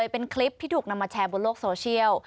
เป็นคลิปที่ถูกนำมาแชร์บนโลกโซเชียล